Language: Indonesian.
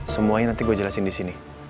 semuanya nanti gue jelasin disini